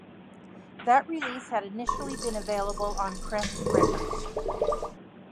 That release had initially been available on Crest Records.